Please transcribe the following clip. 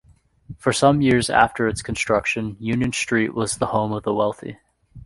For some years after its construction, Union Street was the home of the wealthy.